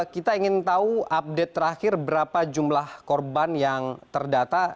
kita ingin tahu update terakhir berapa jumlah korban yang terdata